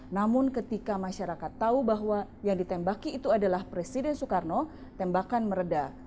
namun ketika masyarakat tahu bahwa yang ditembaki itu adalah presiden soekarno tembakan meredah